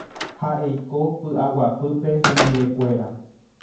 Ha eiko py'aguapýpe hendivekuéra.